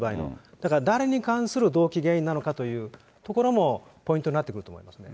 だから誰に関する動機、原因なのかというところも、ポイントになってくると思いますね。